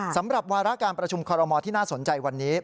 สำหรับวาระการประชุมคอรมอลที่น่าสนใจวันนี้